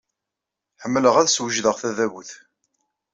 Ḥemmleɣ ad d-swejdeɣ tadabut.